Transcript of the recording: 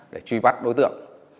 để truy bắt đối tượng